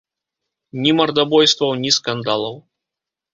Ні мардабойстваў, ні скандалаў.